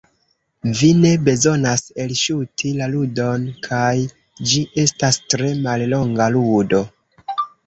Vi ne bezonas elŝuti la ludon kaj ĝi estas tre mallonga ludo.